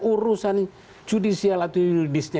urusan judicial atau judisnya